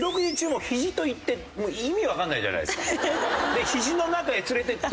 で「ひじの中へ連れて行って」。